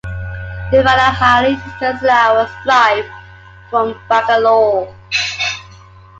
Devanahalli is just an hour's drive from Bangalore.